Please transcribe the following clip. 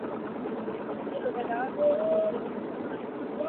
Este se tituló "Get Up" y fue producido por Jeff Lynne.